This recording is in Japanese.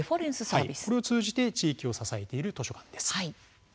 これを通じて地域を支えている図書館です。